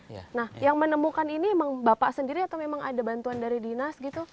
nah yang menemukan ini memang bapak sendiri atau memang ada bantuan dari dinas gitu